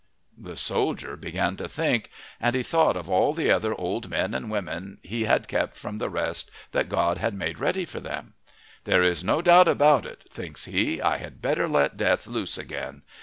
The soldier began to think. And he thought of all the other old men and women he had kept from the rest that God had made ready for them. "There is no doubt about it," thinks he; "I had better let Death loose again.